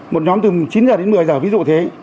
một nhóm từ chín giờ đến một mươi giờ ví dụ thế